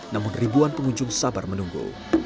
namun ribuan pengunjung sabar menunggu